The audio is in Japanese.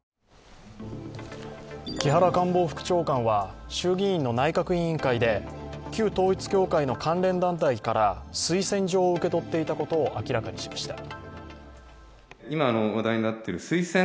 木原官房副長官は衆議院の内閣委員会で旧統一教会の関連団体から推薦状を受け取っていたことを明らかにしました。